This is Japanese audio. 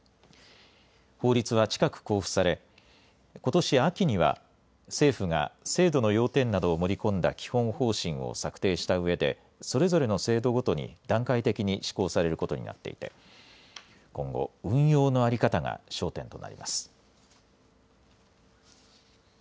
法律は近く公布されことし秋には政府が制度の要点などを盛り込んだ基本方針を策定したうえでそれぞれの制度ごとに段階的に施行されることになっていて今後、運用の在り方が焦点となります。